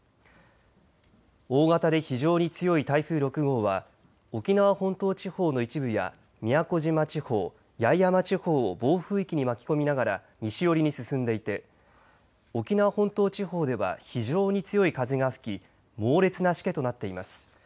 大型で非常に強い台風６号は沖縄本島地方の一部や宮古島地方、八重山地方を暴風域に巻き込みながら西寄りに進んでいて沖縄本島地方では非常に強い風が吹き猛烈なしけとなっています。